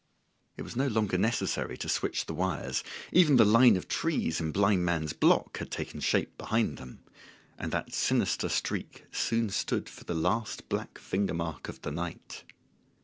It was no longer necessary to switch the wires; even the line of trees in Blind Man's Block had taken shape behind them; and that sinister streak soon stood for the last black finger mark of the night.